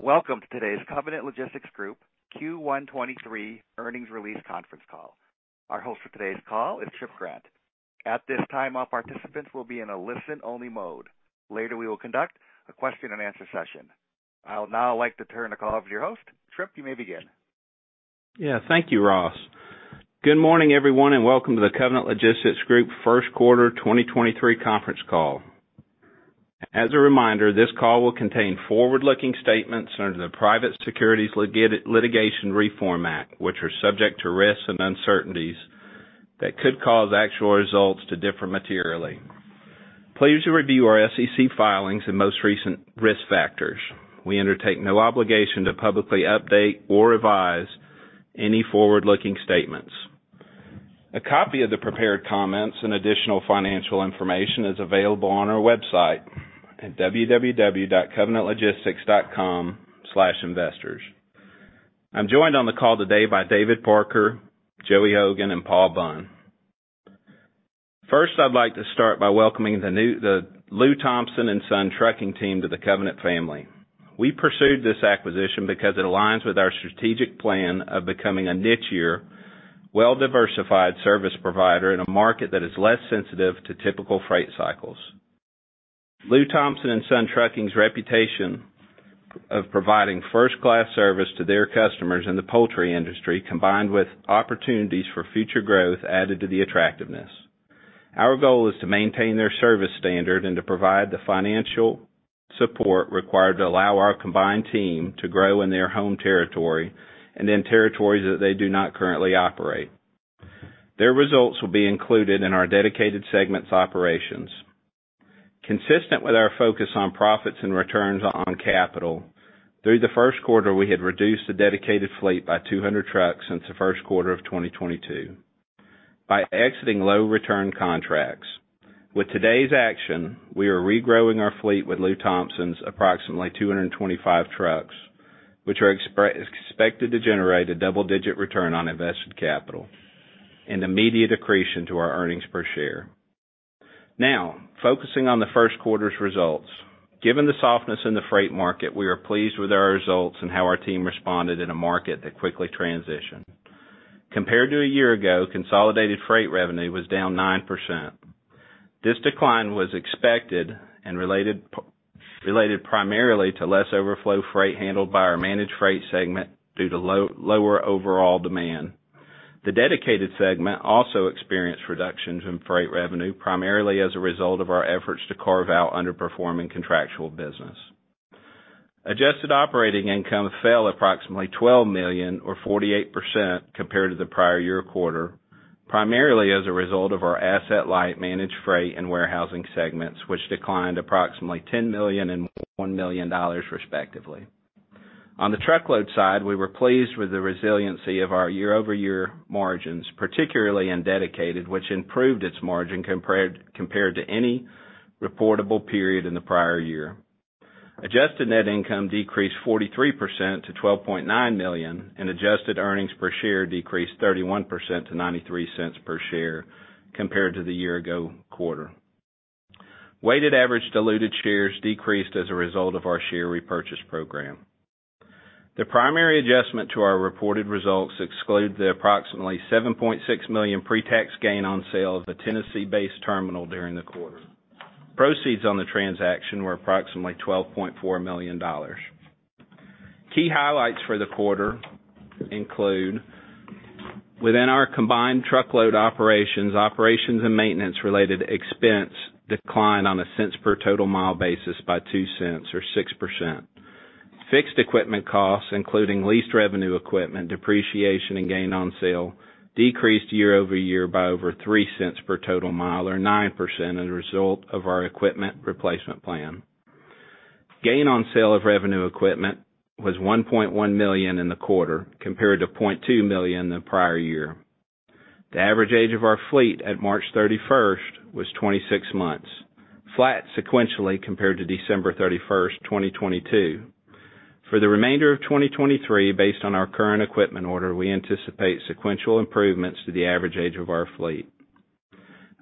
Welcome to today's Covenant Logistics Group Q1 2023 earnings release conference call. Our host for today's call is Tripp Grant. At this time, all participants will be in a listen-only mode. Later, we will conduct a question-and-answer session. I'll now like to turn the call over to your host. Tripp, you may begin. Yeah. Thank you, Ross. Good morning, everyone, welcome to the Covenant Logistics Group first quarter 2023 conference call. As a reminder, this call will contain forward-looking statements under the Private Securities Litigation Reform Act, which are subject to risks and uncertainties that could cause actual results to differ materially. Please review our SEC filings and most recent risk factors. We undertake no obligation to publicly update or revise any forward-looking statements. A copy of the prepared comments and additional financial information is available on our website at www.covenantlogistics.com/investors. I'm joined on the call today by David Parker, Joey Hogan, and Paul Bunn. First, I'd like to start by welcoming the Lew Thompson & Son Trucking team to the Covenant family. We pursued this acquisition because it aligns with our strategic plan of becoming a nichier, well-diversified service provider in a market that is less sensitive to typical freight cycles. Lew Thompson & Son Trucking's reputation of providing first-class service to their customers in the poultry industry, combined with opportunities for future growth, added to the attractiveness. Our goal is to maintain their service standard and to provide the financial support required to allow our combined team to grow in their home territory and in territories that they do not currently operate. Their results will be included in our dedicated segments operations. Consistent with our focus on profits and returns on capital, through the first quarter, we had reduced the dedicated fleet by 200 trucks since the first quarter of 2022 by exiting low return contracts. With today's action, we are regrowing our fleet with Lew Thompson's approximately 225 trucks, which are expected to generate a double-digit return on invested capital and immediate accretion to our earnings per share. Focusing on the first quarter's results. Given the softness in the freight market, we are pleased with our results and how our team responded in a market that quickly transitioned. Compared to a year ago, consolidated freight revenue was down 9%. This decline was expected and related primarily to less overflow freight handled by our managed freight segment due to lower overall demand. The dedicated segment also experienced reductions in freight revenue, primarily as a result of our efforts to carve out underperforming contractual business. Adjusted operating income fell approximately $12 million or 48% compared to the prior year quarter, primarily as a result of our asset-light managed freight and warehousing segments, which declined approximately $10 million and $1 million, respectively. On the truckload side, we were pleased with the resiliency of our year-over-year margins, particularly in Dedicated, which improved its margin compared to any reportable period in the prior year. Adjusted net income decreased 43% to $12.9 million, and adjusted earnings per share decreased 31% to $0.93 per share compared to the year ago quarter. Weighted average diluted shares decreased as a result of our share repurchase program. The primary adjustment to our reported results exclude the approximately $7.6 million pre-tax gain on sale of the Tennessee-based terminal during the quarter. Proceeds on the transaction were approximately $12.4 million. Key highlights for the quarter include within our combined truckload operations and maintenance-related expense declined on a cents per total mile basis by $0.02 or 6%. Fixed equipment costs, including leased revenue equipment, depreciation, and gain on sale, decreased year-over-year by over $0.03 per total mile, or 9%, as a result of our equipment replacement plan. Gain on sale of revenue equipment was $1.1 million in the quarter, compared to $0.2 million the prior year. The average age of our fleet at March 31st was 26 months, flat sequentially compared to December 31st, 2022. For the remainder of 2023, based on our current equipment order, we anticipate sequential improvements to the average age of our fleet.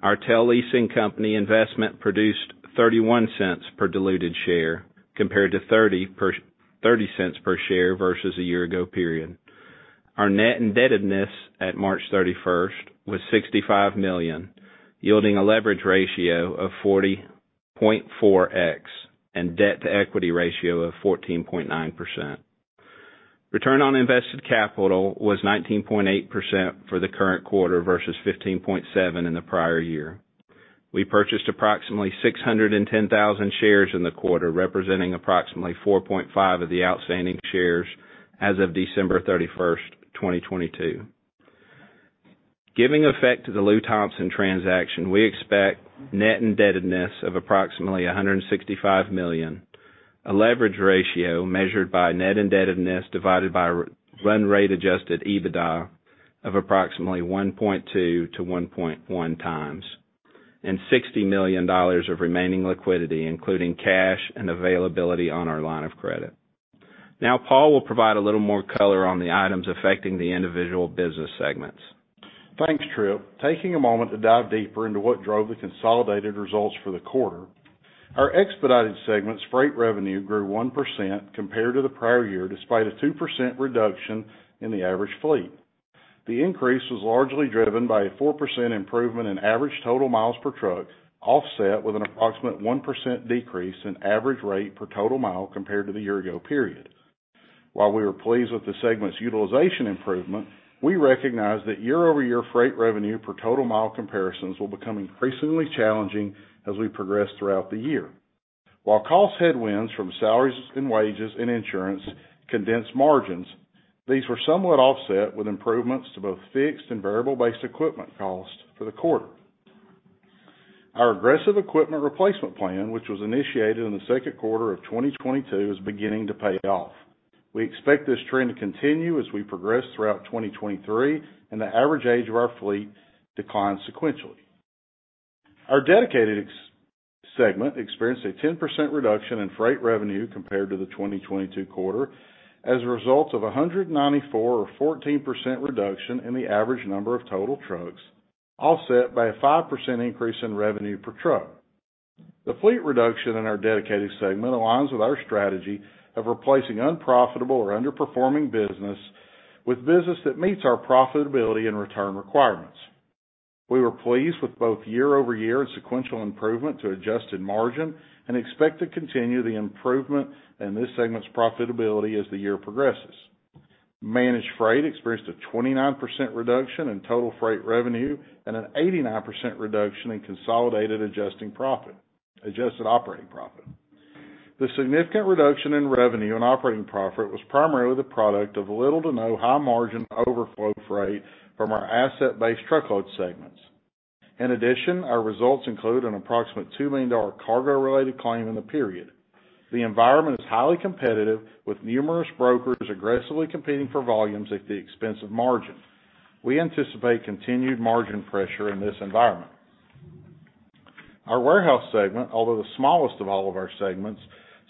Our TEL leasing company investment produced $0.31 per diluted share compared to $0.30 per share versus a year-ago period. Our net indebtedness at March 31st was $65 million, yielding a leverage ratio of 40.4x and debt-to-equity ratio of 14.9%. Return on invested capital was 19.8% for the current quarter versus 15.7% in the prior year. We purchased approximately 610,000 shares in the quarter, representing approximately 4.5% of the outstanding shares as of December 31st, 2022. Giving effect to the Lew Thompson transaction, we expect net indebtedness of approximately $165 million, a leverage ratio measured by net indebtedness divided by run rate adjusted EBITDA of approximately 1.2 to 1.1 times, $60 million of remaining liquidity, including cash and availability on our line of credit. Now Paul will provide a little more color on the items affecting the individual business segments. Thanks, Tripp. Taking a moment to dive deeper into what drove the consolidated results for the quarter. Our expedited segment's freight revenue grew 1% compared to the prior year, despite a 2% reduction in the average fleet. The increase was largely driven by a 4% improvement in average total miles per truck, offset with an approximate 1% decrease in average rate per total mile compared to the year ago period. While we were pleased with the segment's utilization improvement, we recognize that year-over-year freight revenue per total mile comparisons will become increasingly challenging as we progress throughout the year. While cost headwinds from salaries and wages and insurance condensed margins, these were somewhat offset with improvements to both fixed and variable-based equipment costs for the quarter. Our aggressive equipment replacement plan, which was initiated in the second quarter of 2022, is beginning to pay off. We expect this trend to continue as we progress throughout 2023 and the average age of our fleet to decline sequentially. Our dedicated segment experienced a 10% reduction in freight revenue compared to the 2022 quarter as a result of a 194 or 14% reduction in the average number of total trucks, offset by a 5% increase in revenue per truck. The fleet reduction in our dedicated segment aligns with our strategy of replacing unprofitable or underperforming business with business that meets our profitability and return requirements. We were pleased with both year-over-year and sequential improvement to adjusted margin and expect to continue the improvement in this segment's profitability as the year progresses. Managed Freight experienced a 29% reduction in total freight revenue and an 89% reduction in consolidated adjusted operating profit. The significant reduction in revenue and operating profit was primarily the product of little to no high margin overflow freight from our asset-based truckload segments. In addition, our results include an approximate $2 million cargo-related claim in the period. The environment is highly competitive, with numerous brokers aggressively competing for volumes at the expense of margin. We anticipate continued margin pressure in this environment. Our warehouse segment, although the smallest of all of our segments,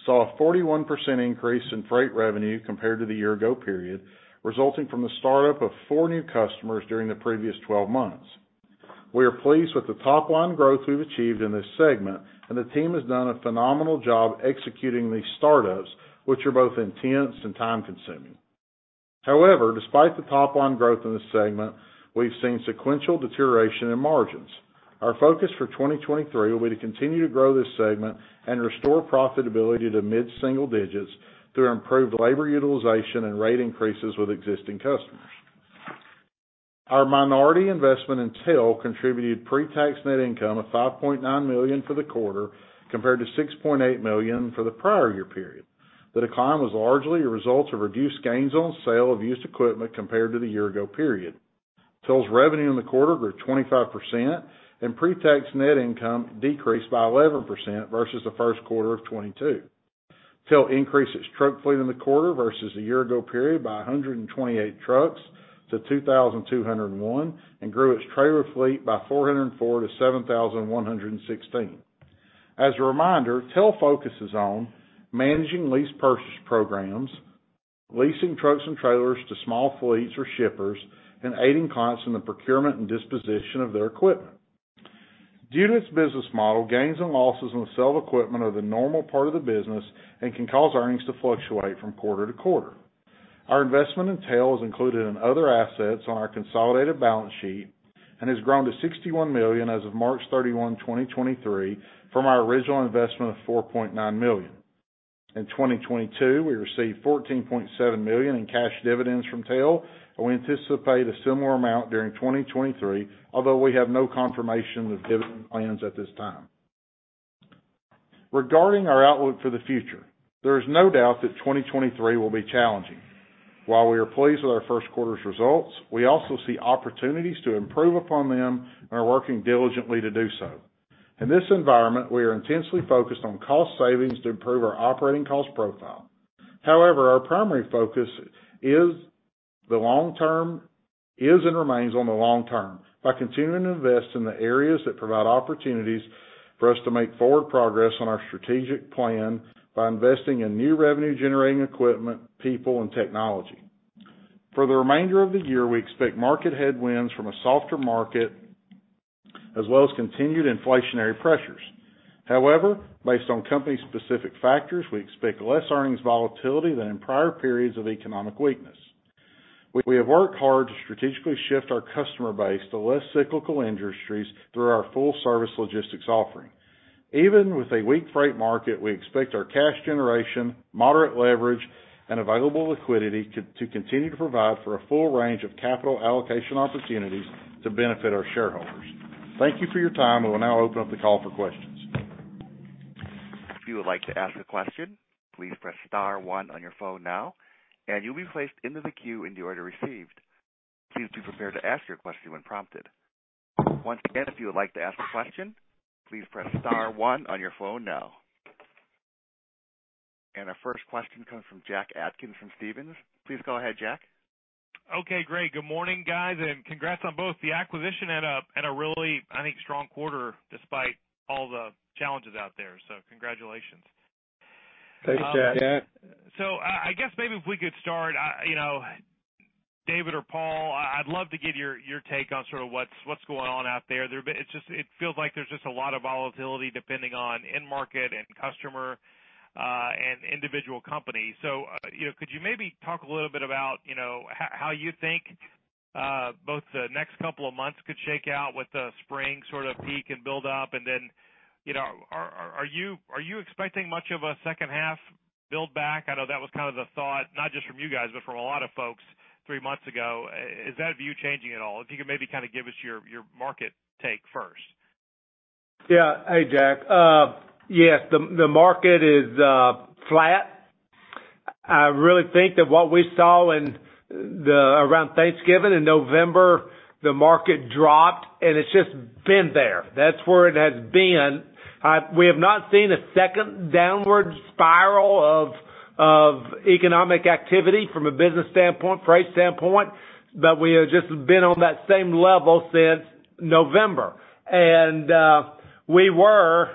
saw a 41% increase in freight revenue compared to the year ago period, resulting from the startup of four new customers during the previous 12 months. We are pleased with the top line growth we've achieved in this segment, and the team has done a phenomenal job executing these startups, which are both intense and time-consuming. However, despite the top line growth in the segment, we've seen sequential deterioration in margins. Our focus for 2023 will be to continue to grow this segment and restore profitability to mid-single digits through improved labor utilization and rate increases with existing customers. Our minority investment in TEL contributed pre-tax net income of $5.9 million for the quarter, compared to $6.8 million for the prior year period. The decline was largely a result of reduced gains on sale of used equipment compared to the year ago period. TEL's revenue in the quarter grew 25%, and pre-tax net income decreased by 11% versus the first quarter of 2022. TEL increased its truck fleet in the quarter versus the year ago period by 128 trucks to 2,201, and grew its trailer fleet by 404 to 7,116. As a reminder, TEL focuses on managing lease purchase programs, leasing trucks and trailers to small fleets or shippers, and aiding clients in the procurement and disposition of their equipment. Due to its business model, gains and losses on the sale of equipment are the normal part of the business and can cause earnings to fluctuate from quarter to quarter. Our investment in TEL is included in other assets on our consolidated balance sheet and has grown to $61 million as of March 31, 2023 from our original investment of $4.9 million. In 2022, we received $14.7 million in cash dividends from TEL. We anticipate a similar amount during 2023, although we have no confirmation of dividend plans at this time. Regarding our outlook for the future, there is no doubt that 2023 will be challenging. While we are pleased with our first quarter's results, we also see opportunities to improve upon them and are working diligently to do so. In this environment, we are intensely focused on cost savings to improve our operating cost profile. However, our primary focus is and remains on the long term by continuing to invest in the areas that provide opportunities for us to make forward progress on our strategic plan by investing in new revenue, generating equipment, people, and technology. For the remainder of the year, we expect market headwinds from a softer market as well as continued inflationary pressures. However, based on company specific factors, we expect less earnings volatility than in prior periods of economic weakness. We have worked hard to strategically shift our customer base to less cyclical industries through our full service logistics offering. Even with a weak freight market, we expect our cash generation, moderate leverage, and available liquidity to continue to provide for a full range of capital allocation opportunities to benefit our shareholders. Thank you for your time. We will now open up the call for questions. If you would like to ask a question, please press star one on your phone now and you'll be placed into the queue in the order received. Please be prepared to ask your question when prompted. Once again, if you would like to ask a question, please press star one on your phone now. Our first question comes from Jack Atkins from Stephens. Please go ahead, Jack. Okay, great. Good morning, guys, and congrats on both the acquisition and a really, I think, strong quarter despite all the challenges out there. Congratulations. Thanks, Jack. I guess maybe if we could start, you know, David or Paul, I'd love to get your take on sort of what's going on out there. It feels like there's just a lot of volatility depending on end market and customer and individual companies. You know, could you maybe talk a little bit about, you know, how you think both the next couple of months could shake out with the spring sort of peak and build up? You know, are you expecting much of a second half build back? I know that was kind of the thought not just from you guys, but from a lot of folks three months ago. Is that view changing at all? If you could maybe kind of give us your market take first. Yeah. Hey, Jack. Yes, the market is flat. I really think that what we saw around Thanksgiving and November, the market dropped, and it's just been there. That's where it has been. We have not seen a second downward spiral of economic activity from a business standpoint, freight standpoint, but we have just been on that same level since November. We were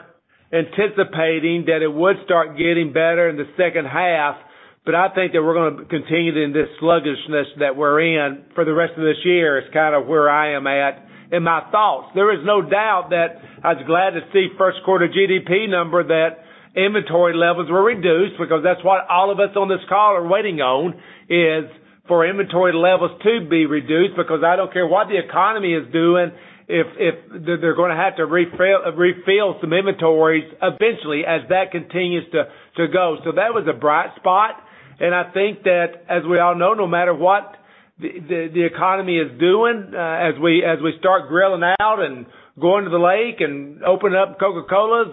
anticipating that it would start getting better in the second half, but I think that we're gonna continue in this sluggishness that we're in for the rest of this year, is kind of where I am at in my thoughts. There is no doubt that I was glad to see first quarter GDP number that inventory levels were reduced because that's what all of us on this call are waiting on, is for inventory levels to be reduced because I don't care what the economy is doing if they're going to have to refill some inventories eventually as that continues to go. That was a bright spot. I think that as we all know, no matter what the economy is doing, as we start grilling out and going to the lake and opening up Coca-Colas,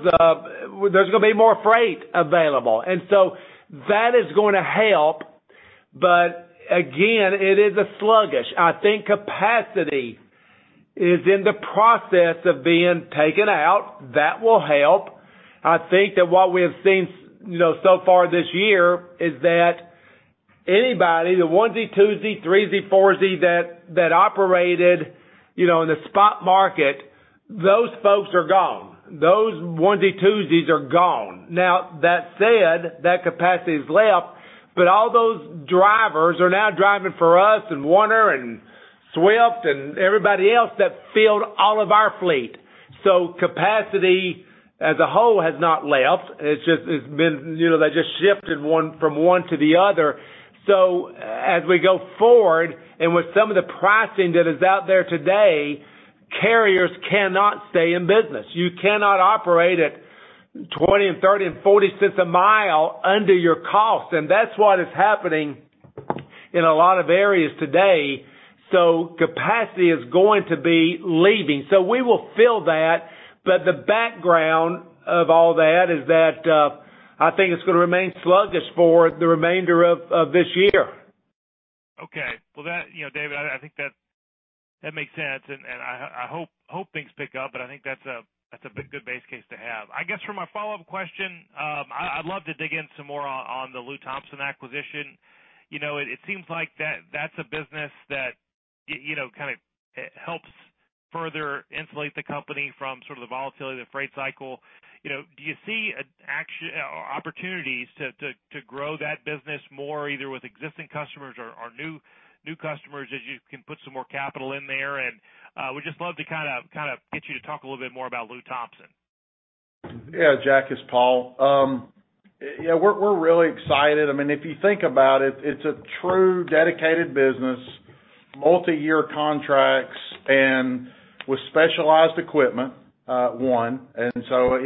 there's gonna be more freight available. That is gonna help, but again, it is a sluggish. I think capacity is in the process of being taken out. That will help. I think that what we have seen you know, so far this year is that anybody, the onesie, twosie, threesie, foursie that operated, you know, in the spot market, those folks are gone. Those onesie, twosies are gone. That said, that capacity has left, but all those drivers are now driving for us and Werner and Swift and everybody else that filled all of our fleet. Capacity as a whole has not left. It's just. It's been. You know, that just shifted one from one to the other. As we go forward and with some of the pricing that is out there today, carriers cannot stay in business. You cannot operate at $0.20 and $0.30 and $0.40 a mile under your cost, and that's what is happening in a lot of areas today. Capacity is going to be leaving. We will fill that, but the background of all that is that, I think it's gonna remain sluggish for the remainder of this year. Okay. Well, you know, David, I think that makes sense, and I hope things pick up, but I think that's a good base case to have. I guess for my follow-up question, I'd love to dig in some more on the Lew Thompson acquisition. You know, it seems like that's a business that, you know, kind of helps further insulate the company from sort of the volatility of the freight cycle. You know, do you see opportunities to grow that business more, either with existing customers or new customers as you can put some more capital in there? would just love to kind of get you to talk a little bit more about Lew Thompson. Yeah, Jack, it's Paul. Yeah, we're really excited. I mean, if you think about it's a true dedicated business, multiyear contracts and with specialized equipment, you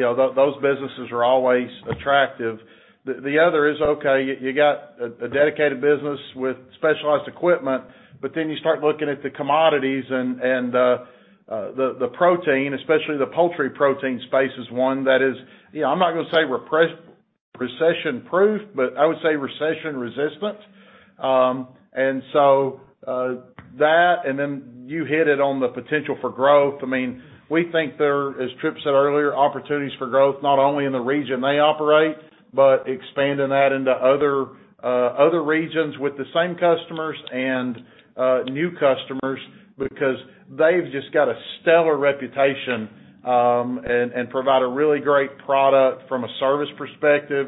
know, those businesses are always attractive. The other is, okay, you got a dedicated business with specialized equipment, you start looking at the commodities and the protein, especially the poultry protein space is one that is, you know, I'm not gonna say recession proof, but I would say recession resistant. That, you hit it on the potential for growth. I mean, we think there are, as Tripp said earlier, opportunities for growth, not only in the region they operate, but expanding that into other regions with the same customers and, new customers because they've just got a stellar reputation, and provide a really great product from a service perspective,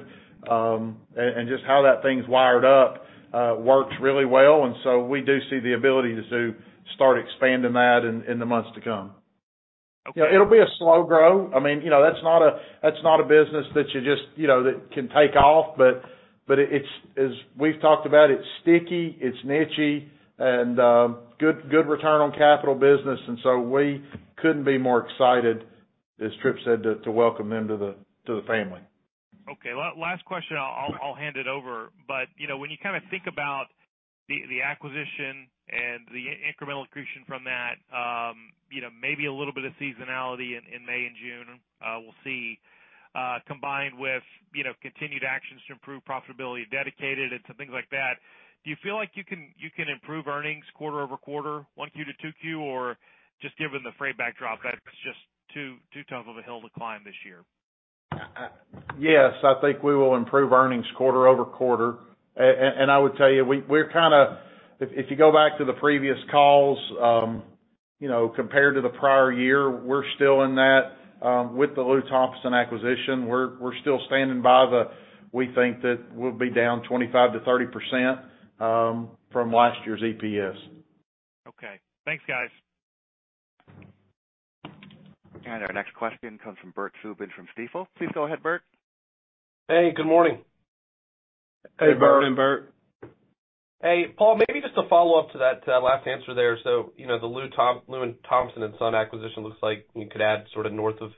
and just how that thing's wired up, works really well. We do see the ability to start expanding that in the months to come. Okay. You know, it'll be a slow grow. I mean, you know, that's not a business that you just, you know, that can take off. But as we've talked about, it's sticky, it's niche-y, and good return on capital business. We couldn't be more excited, as Tripp said, to welcome them to the family. Okay. Last question, I'll hand it over. You know, when you kind of think about the acquisition and the incremental accretion from that, you know, maybe a little bit of seasonality in May and June, we'll see, combined with, you know, continued actions to improve profitability of dedicated and some things like that. Do you feel like you can improve earnings quarter-over-quarter, one Q to two Q, or just given the freight backdrop, that it's just too tough of a hill to climb this year? Yes, I think we will improve earnings quarter-over-quarter. I would tell you, we're if you go back to the previous calls, you know, compared to the prior year, we're still in that, with the Lew Thompson acquisition, we're still standing by the we think that we'll be down 25%-30%, from last year's EPS. Okay. Thanks, guys. Our next question comes from Bert Subin from Stifel. Please go ahead, Bert. Hey, good morning. Hey, Bert. Good morning, Bert. Paul, maybe just to follow up to that, last answer there. You know, the Lew Thompson and Son acquisition looks like you could add sort of north of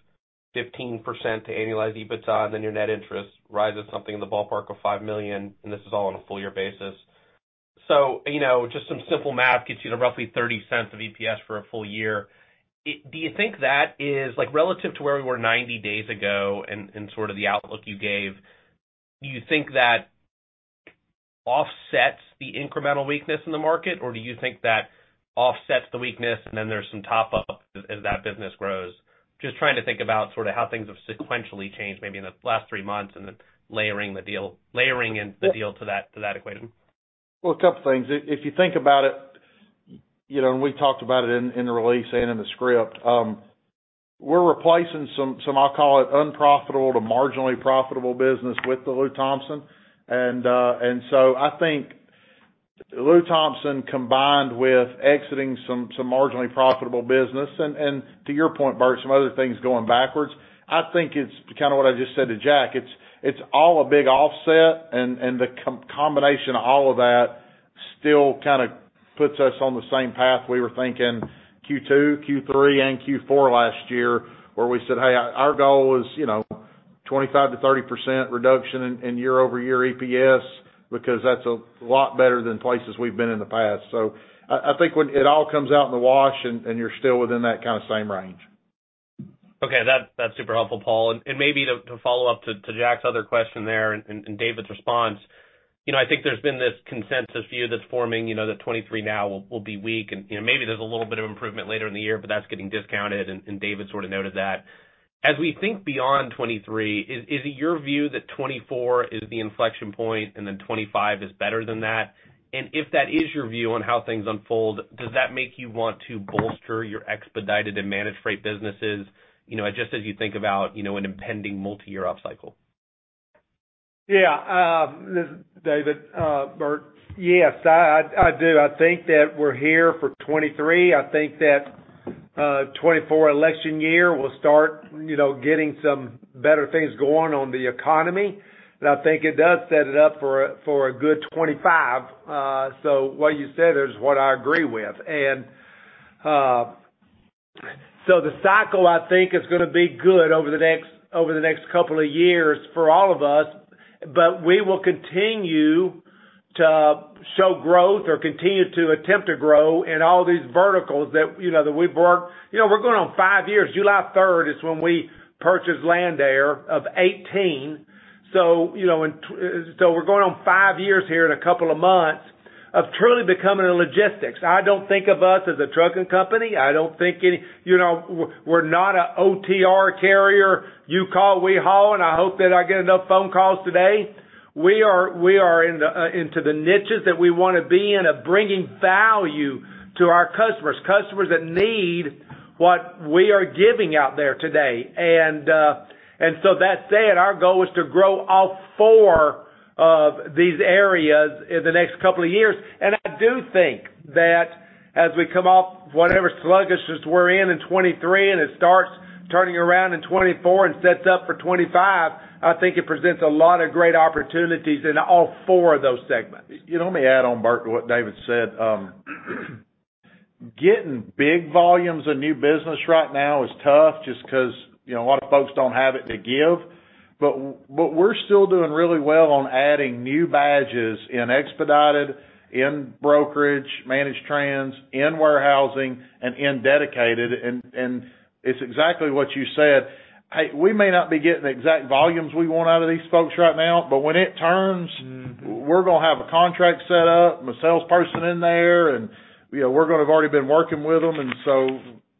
15% to annualized EBITDA, and then your net interest rises something in the ballpark of $5 million, and this is all on a full year basis. You know, just some simple math gets you to roughly $0.30 of EPS for a full year. Do you think that is Like, relative to where we were 90 days ago and sort of the outlook you gave, do you think that offsets the incremental weakness in the market, or do you think that offsets the weakness, and then there's some top-up as that business grows? Just trying to think about sort of how things have sequentially changed maybe in the last three months, and then layering in the deal to that equation. Well, a couple things. If you think about it, you know, and we talked about it in the release and in the script, we're replacing some, I'll call it unprofitable to marginally profitable business with the Lew Thompson. I think Lew Thompson combined with exiting some marginally profitable business and to your point, Bert, some other things going backwards, I think it's kinda what I just said to Jack. It's all a big offset, and the combination of all of that still kinda puts us on the same path we were thinking Q2, Q3, and Q4 last year, where we said, "Hey, our goal is, you know, 25% to 30% reduction in year-over-year EPS because that's a lot better than places we've been in the past." I think when it all comes out in the wash and you're still within that kinda same range. Okay. That's super helpful, Paul. Maybe to follow up to Jack's other question there and David's response, you know, I think there's been this consensus view that's forming, you know, that 2023 now will be weak. You know, maybe there's a little bit of improvement later in the year, but that's getting discounted, and David sort of noted that. As we think beyond 2023, is it your view that 2024 is the inflection point and then 2025 is better than that? If that is your view on how things unfold, does that make you want to bolster your expedited and managed freight businesses, you know, just as you think about, you know, an impending multi-year upcycle? This is David, Bert. Yes, I do. I think that we're here for 2023. I think that 2024 election year will start, you know, getting some better things going on the economy. I think it does set it up for a good 2025. What you said is what I agree with. The cycle I think is going to be good over the next couple of years for all of us, but we will continue to show growth or continue to attempt to grow in all these verticals that, you know, that we've worked. You know, we're going on five years. July third is when we purchased Landair of 2018. You know, so we're going on five years here in a couple of months of truly becoming a logistics. I don't think of us as a trucking company. I don't think. You know, we're not a OTR carrier. You call, we haul, and I hope that I get enough phone calls today. We are in the niches that we wanna be in, of bringing value to our customers that need what we are giving out there today. That said, our goal is to grow all four of these areas in the next couple of years. I do think that as we come off whatever sluggishness we're in in 2023, and it starts turning around in 2024 and sets up for 2025, I think it presents a lot of great opportunities in all four of those segments. You know, let me add on, Bert, to what David said. Getting big volumes of new business right now is tough just 'cause, you know, a lot of folks don't have it to give. We're still doing really well on adding new badges in expedited, in brokerage, managed trans, in warehousing, and in dedicated. It's exactly what you said. Hey, we may not be getting the exact volumes we want out of these folks right now, but when it turns, we're gonna have a contract set up and a salesperson in there, and, you know, we're gonna have already been working with them.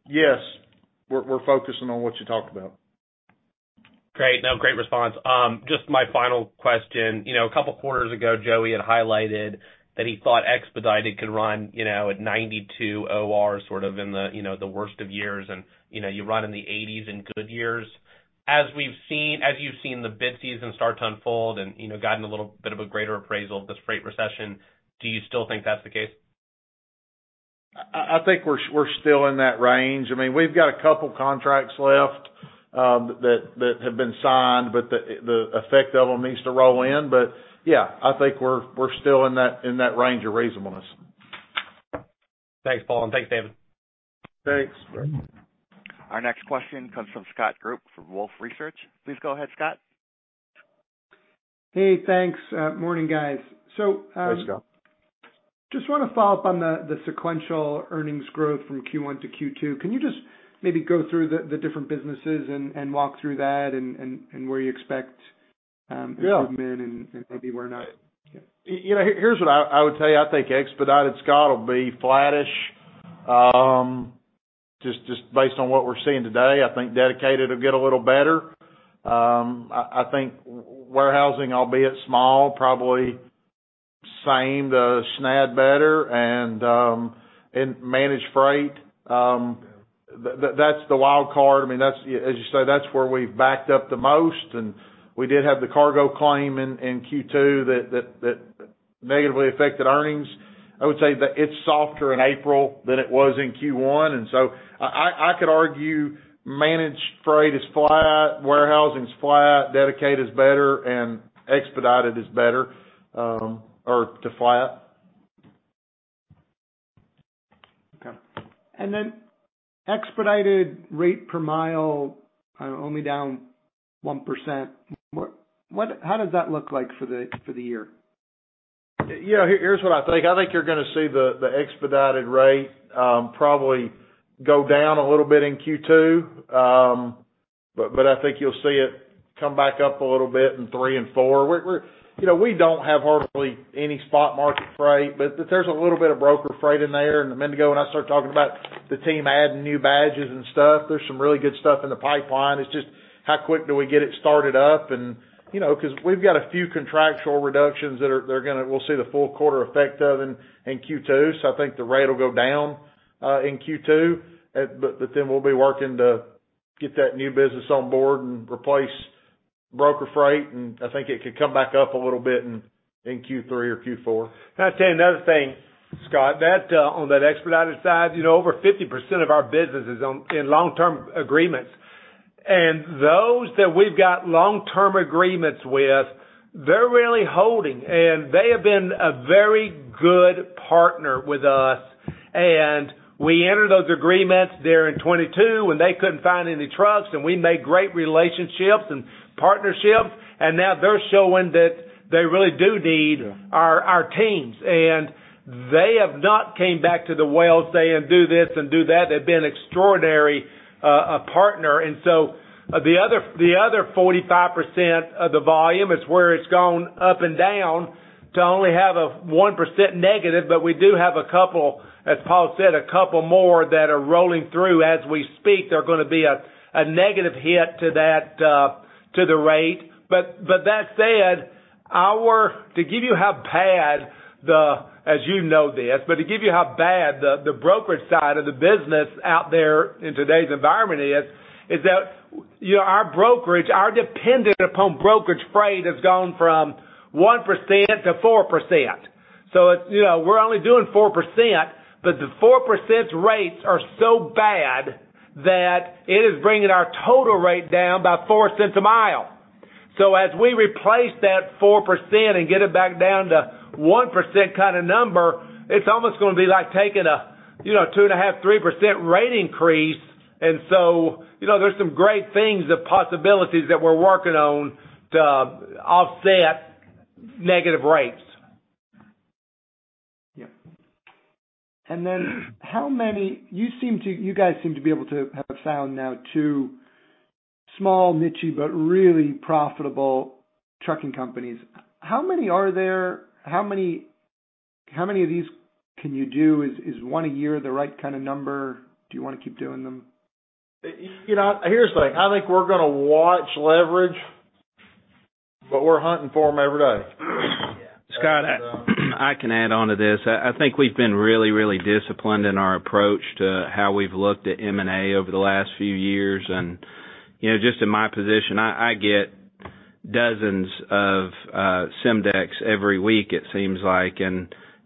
Yes, we're focusing on what you talked about. Great. No, great response. Just my final question. You know, a couple quarters ago, Joey had highlighted that he thought expedited could run, you know, at 92 OR sort of in the, you know, the worst of years and, you know, you run in the 80s in good years. As you've seen the bid season start to unfold and, you know, gotten a little bit of a greater appraisal of this freight recession, do you still think that's the case? I think we're still in that range. I mean, we've got a couple contracts left, that have been signed, the effect of them needs to roll in. Yeah, I think we're still in that range of reasonableness. Thanks, Paul, and thanks, David. Thanks. Our next question comes from Scott Group for Wolfe Research. Please go ahead, Scott. Hey, thanks. Morning, guys. Hey, Scott. Just wanna follow up on the sequential earnings growth from Q1 to Q2. Can you just maybe go through the different businesses and walk through that and where you expect? Yeah... improvement and maybe where not? Yeah. You know, here's what I would tell you. I think expedited, Scott, will be flattish. Just based on what we're seeing today, I think dedicated will get a little better. I think warehousing, albeit small, probably same to slightly better. In managed freight, that's the wild card. I mean, that's as you say, that's where we've backed up the most, and we did have the cargo claim in Q2 that negatively affected earnings. I would say that it's softer in April than it was in Q1. I could argue managed freight is flat, warehousing is flat, dedicated is better and expedited is better, or to flat. Okay. expedited rate per mile, only down 1%. how does that look like for the year? Yeah, here's what I think. I think you're gonna see the expedited rate, probably go down a little bit in Q2. I think you'll see it come back up a little bit in three and four. We're, you know, we don't have hardly any spot market freight, but there's a little bit of broker freight in there. A minute ago, when I started talking about the team adding new badges and stuff, there's some really good stuff in the pipeline. It's just how quick do we get it started up. You know, 'cause we've got a few contractual reductions we'll see the full quarter effect of in Q2. I think the rate will go down in Q2, but then we'll be working to get that new business on board and replace broker freight, and I think it could come back up a little bit in Q3 or Q4. Can I tell you another thing, Scott? That on that expedited side, you know, over 50% of our business is in long-term agreements. Those that we've got long-term agreements with, they're really holding, and they have been a very good partner with us. We entered those agreements there in 2022 when they couldn't find any trucks, and we made great relationships and partnerships, now they're showing that they really do need our teams. They have not came back to the well saying, "Do this and do that." They've been extraordinary partner. The other 45% of the volume is where it's gone up and down to only have a 1% negative. We do have a couple, as Paul said, more that are rolling through as we speak. They're gonna be a negative hit to the rate. That said, to give you how bad the as you know this, to give you how bad the brokerage side of the business out there in today's environment is that, you know, our dependent upon brokerage freight has gone from 1% to 4%. You know, we're only doing 4%, but the 4% rates are so bad that it is bringing our total rate down by $0.04 a mile. As we replace that 4% and get it back down to 1% kind of number, it's almost gonna be like taking a, you know, 2.5%, 3% rate increase. You know, there's some great things and possibilities that we're working on to offset negative rates. Yeah. How many you guys seem to be able to have found now two small, nichey, but really profitable trucking companies. How many are there? How many of these can you do? Is one a year the right kind of number? Do you wanna keep doing them? You know, here's the thing. I think we're gonna watch leverage. We're hunting for them every day. Scott, I can add on to this. I think we've been really, really disciplined in our approach to how we've looked at M&A over the last few years. You know, just in my position, I get dozens of CIM decks every week, it seems like.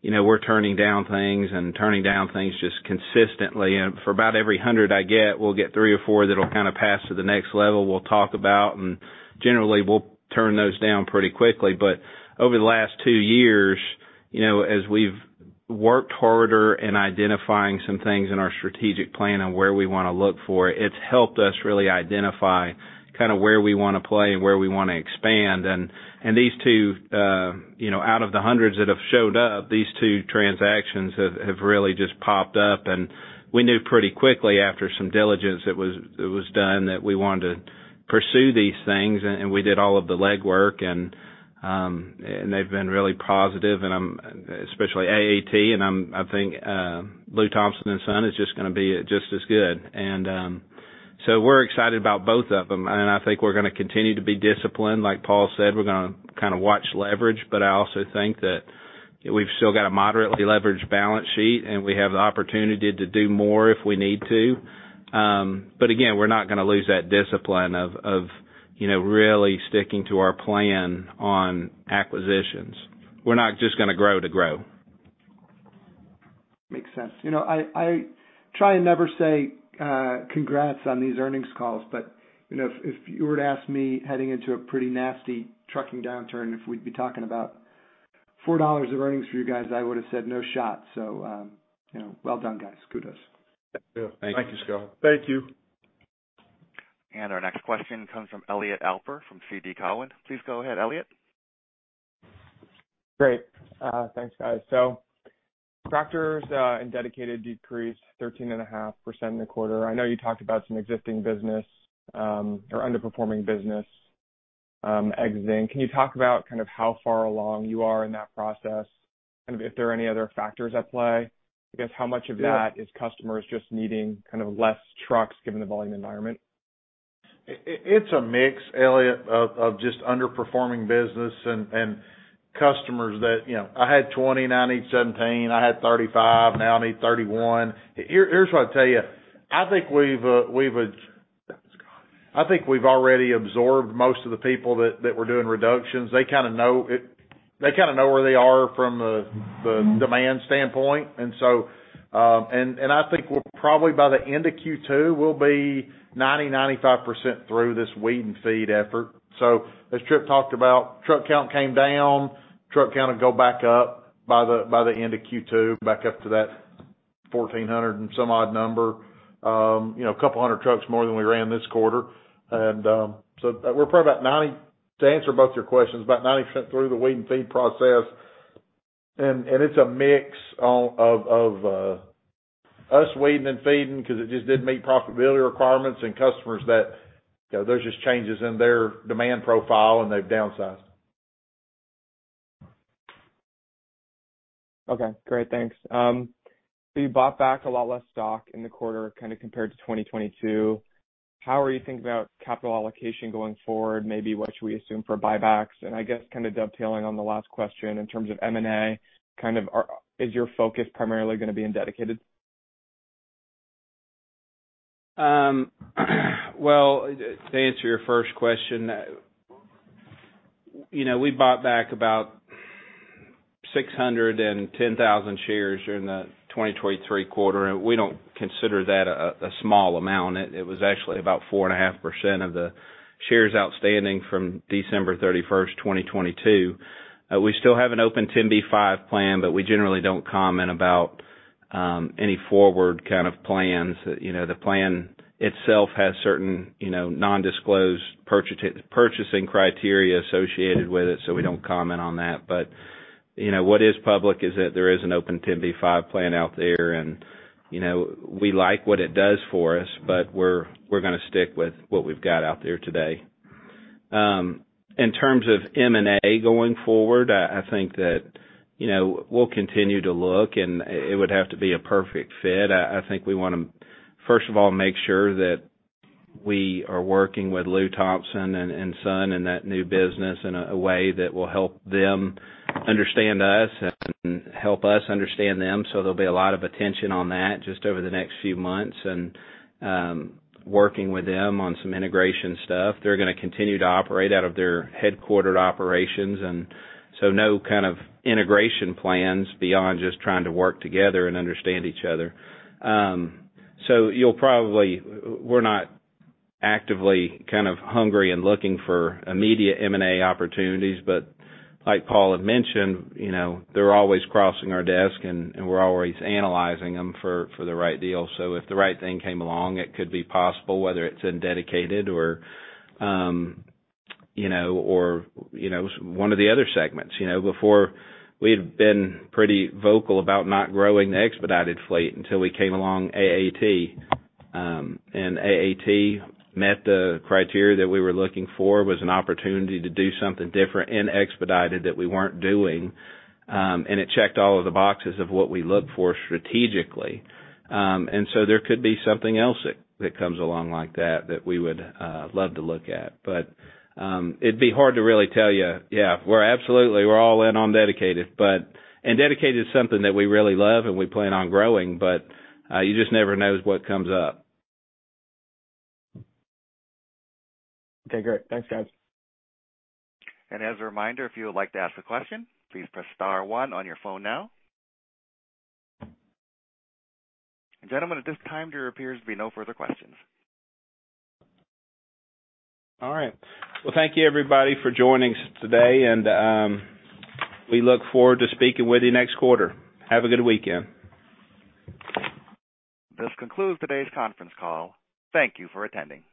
You know, we're turning down things just consistently. For about every 100 I get, we'll get three or four that'll kind of pass to the next level we'll talk about, and generally we'll turn those down pretty quickly. Over the last two years, you know, as we've worked harder in identifying some things in our strategic plan on where we wanna look for, it's helped us really identify kind of where we wanna play and where we wanna expand. These two, you know, out of the hundreds that have showed up, these two transactions have really just popped up. We knew pretty quickly after some diligence that was done, that we wanted to pursue these things. We did all of the legwork and they've been really positive and especially AAT and I think Lew Thompson & Son is just gonna be just as good. We're excited about both of them. I think we're gonna continue to be disciplined. Like Paul said, we're gonna kind of watch leverage. I also think that we've still got a moderately leveraged balance sheet, and we have the opportunity to do more if we need to. Again, we're not gonna lose that discipline of, you know, really sticking to our plan on acquisitions. We're not just gonna grow to grow. Makes sense. You know, I try and never say, congrats on these earnings calls, but, you know, if you were to ask me heading into a pretty nasty trucking downturn, if we'd be talking about $4 of earnings for you guys, I would've said no shot. You know, well done, guys. Kudos. Thank you. Thank you, Scott. Thank you. Our next question comes from Elliot Alper from TD Cowen. Please go ahead, Elliott. Great. Thanks, guys. Tractors and dedicated decreased 13.5% in the quarter. I know you talked about some existing business or underperforming business exiting. Can you talk about kind of how far along you are in that process, and if there are any other factors at play? I guess how much of that is customers just needing kind of less trucks given the volume environment? It's a mix, Elliot, of just underperforming business and customers that, you know, "I had 20 now I need 17. I had 35 now I need 31." Here's what I'll tell you. I think we've already absorbed most of the people that we're doing reductions. They kinda know where they are from a- Mm-hmm. -the demand standpoint. I think we're probably by the end of Q2, we'll be 90%, 95% through this weed and feed effort. As Tripp talked about, truck count came down. Truck count will go back up by the end of Q2, back up to that 1,400 and some odd number. you know, 200 trucks more than we ran this quarter. So we're probably about 90. To answer both your questions, about 90% through the weed and feed process. It's a mix of us weeding and feeding 'cause it just didn't meet profitability requirements and customers that, you know, there's just changes in their demand profile and they've downsized. Okay, great. Thanks. You bought back a lot less stock in the quarter kinda compared to 2022. How are you thinking about capital allocation going forward? Maybe what should we assume for buybacks? I guess kinda dovetailing on the last question in terms of M&A, kind of is your focus primarily gonna be in dedicated? Well, to answer your first question, you know, we bought back about 610,000 shares during the 2023 quarter. We don't consider that a small amount. It was actually about 4.5% of the shares outstanding from December 31, 2022. We still have an open 10b5-1 plan, but we generally don't comment about any forward kind of plans. You know, the plan itself has certain, you know, non-disclosed purchasing criteria associated with it, so we don't comment on that. You know, what is public is that there is an open 10b5-1 plan out there and, you know, we like what it does for us, but we're gonna stick with what we've got out there today. In terms of M&A going forward, I think that, you know, we'll continue to look and it would have to be a perfect fit. I think we wanna, first of all, make sure that we are working with Lew Thompson and Son and that new business in a way that will help them understand us and help us understand them. There'll be a lot of attention on that just over the next few months and working with them on some integration stuff. They're gonna continue to operate out of their headquartered operations, no kind of integration plans beyond just trying to work together and understand each other. We're not actively kind of hungry and looking for immediate M&A opportunities, like Paul had mentioned, you know, they're always crossing our desk and we're always analyzing them for the right deal. If the right thing came along, it could be possible, whether it's in dedicated or, you know, or, you know, one of the other segments. You know, before we had been pretty vocal about not growing the expedited fleet until we came along AAT. AAT met the criteria that we were looking for. It was an opportunity to do something different in expedited that we weren't doing, and it checked all of the boxes of what we look for strategically. There could be something else that comes along like that we would love to look at. It'd be hard to really tell you, yeah, we're absolutely, we're all in on dedicated. Dedicated is something that we really love and we plan on growing, but, you just never knows what comes up. Okay, great. Thanks, guys. As a reminder, if you would like to ask a question, please press star one on your phone now. Gentlemen, at this time, there appears to be no further questions. All right. Well, thank you, everybody, for joining us today. We look forward to speaking with you next quarter. Have a good weekend. This concludes today's conference call. Thank you for attending.